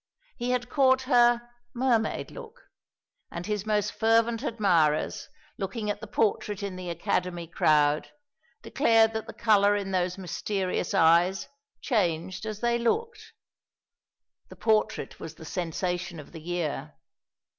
He had caught her "mermaid look"; and his most fervent admirers, looking at the portrait in the Academy crowd, declared that the colour in those mysterious eyes changed as they looked. The portrait was the sensation of the year.